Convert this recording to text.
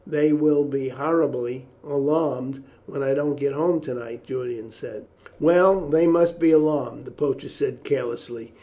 "They will be horribly alarmed when I don't get home to night," Julian said. "Well, they must be alarmed," the poacher said carelessly.